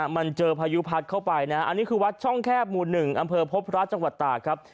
มันเจอพายุพัดเข้าไปนะอันนี้คือวัดช่องแคบหมู่๑อำเภอพบพระจังหวัดตากครับ